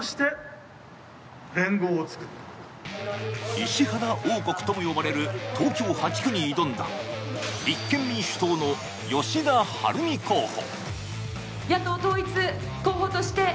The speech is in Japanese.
石原王国とも呼ばれる東京８区に挑んだ立憲民主党の吉田晴美候補。